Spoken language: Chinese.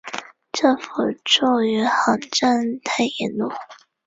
政府驻余杭镇太炎路。